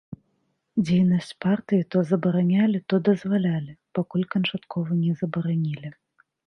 Дзейнасць партыі то забаранялі, то дазвалялі, пакуль канчаткова не забаранілі.